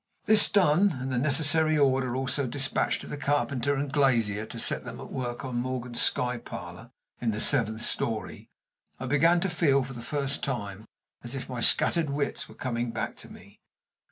This done, and the necessary order also dispatched to the carpenter and glazier to set them at work on Morgan's sky parlor in the seventh story, I began to feel, for the first time, as if my scattered wits were coming back to me.